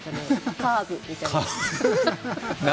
カーブ、みたいな。